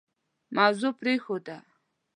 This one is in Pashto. موضوع پرېښوده.